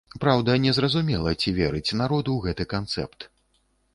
Праўда, незразумела, ці верыць народ у гэты канцэпт?